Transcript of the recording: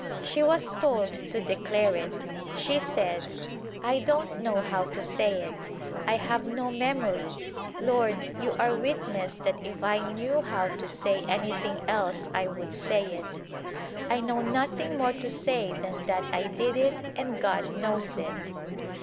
She was told to declare it. She said "I don't know how to say it — I have no memory — Lord, you are witness that if I knew how to say anything else I would say it. I know nothing more to say than that I did it and God knows it."